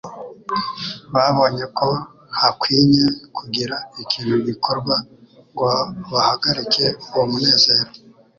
babonye ko hakwinye kugira ikintu gikorwa ngo bahagarike uwo munezero.